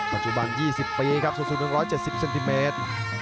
ปัจจุบัน๒๐ปีครับสูงสุด๑๗๐เซนติเมตร